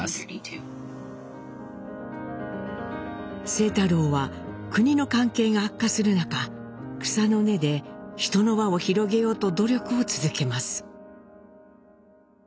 清太郎は国の関係が悪化する中草の根で人の輪を広げようと努力を続けます。